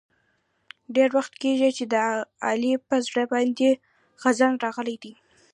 ډېر وخت کېږي چې د علي په زړه باندې خزان راغلی دی.